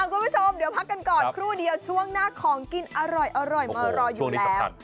คุณผู้ชมเดี๋ยวพักกันก่อนครู่เดียวช่วงหน้าของกินอร่อยมารออยู่แล้ว